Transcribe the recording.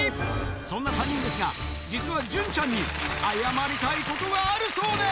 そんな３人ですが、実は潤ちゃんに謝りたいことがあるそうです。